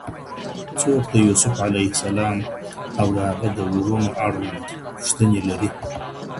څوک د يوسف عليه السلام او د هغه د وروڼو اړوند پوښتني لري؟